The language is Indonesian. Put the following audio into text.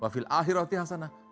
wafil akhirati hasanah